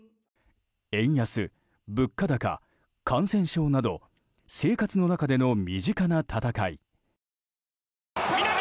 円安、物価高、感染症など生活の中での身近な戦い。